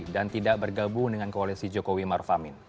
dan tidak bergabung dengan koalisi jokowi marfamin